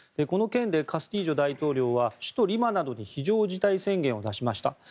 この件でカスティジョ大統領は首都リマなどに非常事態宣言を出しました。